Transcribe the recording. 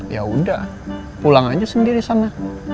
ya udah pulang aja sendiri sana